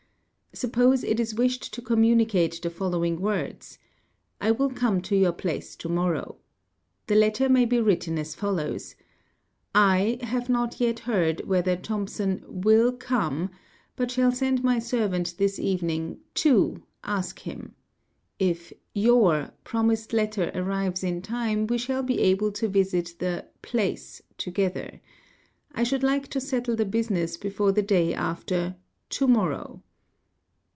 Suppose it is wished to communicate the following words:—''I will come to your place to morrow." The letter may be written as follows :— '"T have not yet heard whether Thompson will come but shall send ~ my servant this evening to ask him. If yous promised letter arrives in | time we shall be able to visit the place together. I should like to settle — the business before the day after to morrow.